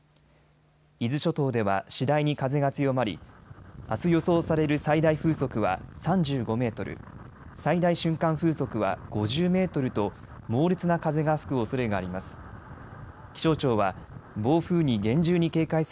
伊豆諸島では次第に風が強まり、あす予想される最大風速は３５メートル、最大瞬間風速は５０メートルと猛烈な風が吹くおそれがあります。